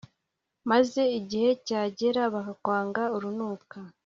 maze igihe cyagera bakakwanga urunuka